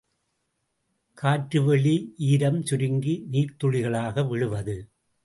காற்றுவெளி ஈரம் சுருங்கி நீர்த்துளிகளாக விழுவது.